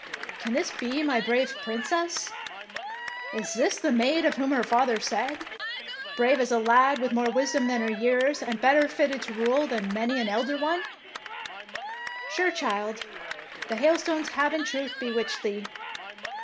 " Can this be my brave Princess? Is this the maid of whom her father said, 'Brave as a lad, with more wisdom than her years, and better fltted to rule than many an elder one '? Sure, child, the hailstones have in truth bewitched thee!